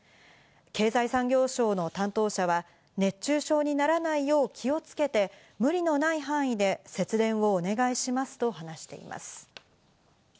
経済産業省の担当者は、熱中症にならないよう気をつけて、無理のない範囲で節電をお願いしますと話しています。